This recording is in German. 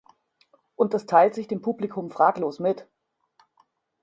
Und das teilt sich dem Publikum fraglos mit.